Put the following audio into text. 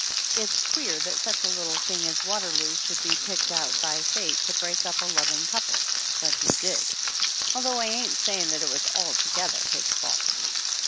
It's queer that such a little thing as Waterloo should be picked out by Fate to break up a lov ing couple, but he did ; although I ain't saying that it was altogether his fault.